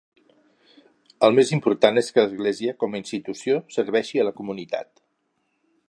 El més important és que l'Església, com a institució, serveixi a la comunitat.